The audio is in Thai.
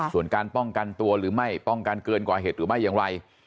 ส่วนการป้องกันตัวหรือไม่ป้องกันเกินกว่าเหตุหรือไม่อย่างไร